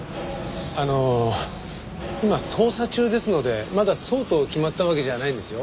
あの今捜査中ですのでまだそうと決まったわけじゃないんですよ。